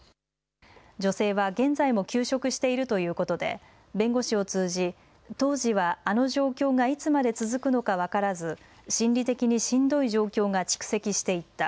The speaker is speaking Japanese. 女性は現在も休職しているということで弁護士を通じ当時はあの状況がいつまで続くのか分からず心理的にしんどい状況が蓄積していった。